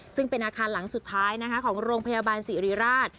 ซึ่งเป็นอาคารหลังสุดท้ายของโรงพยาบาลศิริราช